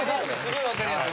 わかりやすい。